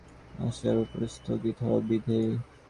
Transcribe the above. বক্তার মতে উন্নতি এবং শুদ্ধি আশার উপর স্থাপিত হওয়া বিধেয়।